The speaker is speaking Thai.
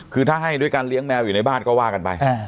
คือถ้าให้ด้วยการเลี้ยงแมวอยู่ในบ้านก็ว่ากันไป